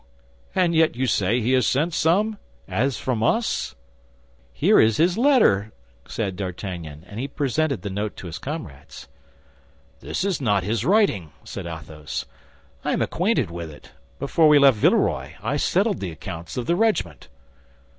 And yet you say he has sent you some as from us?" "Here is his letter," said D'Artagnan, and he presented the note to his comrades. "This is not his writing!" said Athos. "I am acquainted with it; before we left Villeroy I settled the accounts of the regiment."